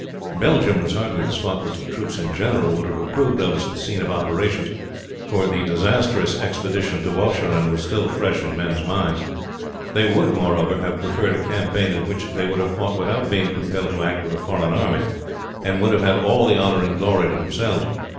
Belgium was hardly the spot which the troops in general would have approved of as the scene of operations, for the disastrous expedition to Walcheren was still fresh in mens' minds. They would, moreover, have preferred a campaign in which they would have fought without being compelled to act with a foreign army, and would have had all the honor and glory to themselves.